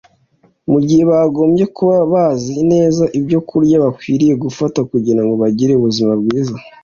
mu gihe bagombye kuba bazi neza ibyokurya bakwiriye gufata kugira ngo bagire ubuzima bwiza